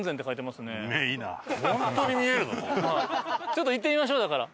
ちょっと行ってみましょうだから。